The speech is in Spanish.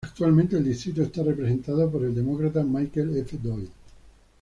Actualmente el distrito está representado por el Demócrata Michael F. Doyle.